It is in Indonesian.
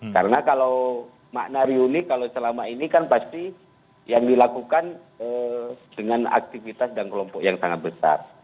karena kalau makna riuni kalau selama ini kan pasti yang dilakukan dengan aktivitas dan kelompok yang sangat besar